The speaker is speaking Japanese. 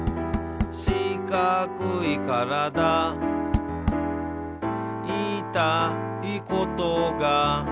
「しかくいからだ」「いいたいことが」